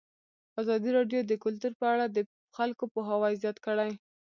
ازادي راډیو د کلتور په اړه د خلکو پوهاوی زیات کړی.